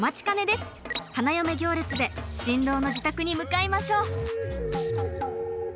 花嫁行列で新郎の自宅に向かいましょう！